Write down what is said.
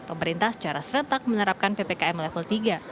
pemerintah secara serentak menerapkan ppkm level tiga